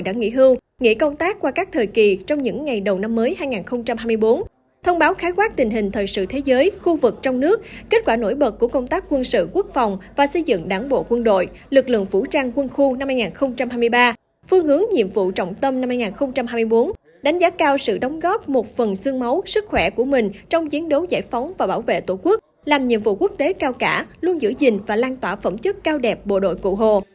trung tâm huấn luyện đã nghỉ hưu nghỉ công tác qua các thời kỳ trong những ngày đầu năm mới hai nghìn hai mươi bốn thông báo khái quát tình hình thời sự thế giới khu vực trong nước kết quả nổi bật của công tác quân sự quốc phòng và xây dựng đảng bộ quân đội lực lượng phủ trang quân khu năm hai nghìn hai mươi ba phương hướng nhiệm vụ trọng tâm năm hai nghìn hai mươi bốn đánh giá cao sự đóng góp một phần xương máu sức khỏe của mình trong chiến đấu giải phóng và bảo vệ tổ quốc làm nhiệm vụ quốc tế cao cả luôn giữ gìn và lan tỏa phẩm chất cao đẹp bộ đội cụ hồ